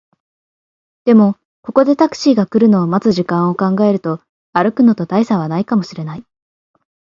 でも、ここでタクシーが来るのを待つ時間を考えると、歩くのと大差はないかもしれない